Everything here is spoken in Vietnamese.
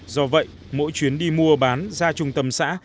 do vậy mỗi chuyến đi mua bán ra trung tâm xã